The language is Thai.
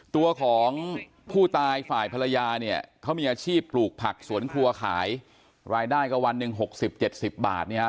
ตัวของผู้ตายฝ่ายภรรยาเนี่ยเขามีอาชีพปลูกผักสวนครัวขายรายได้ก็วันหนึ่งหกสิบเจ็ดสิบบาทเนี่ยฮะ